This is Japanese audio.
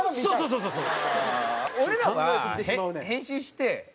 そうそうそう。